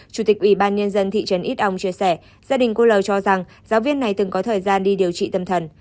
chủ tịch ủy ban nhân dân thị trấn ít ông chia sẻ gia đình cô l t l cho rằng giáo viên này từng có thời gian đi điều trị tâm thần